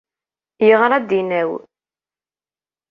Yeɣra-d inaw.